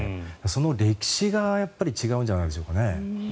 その歴史が違うんじゃないでしょうかね。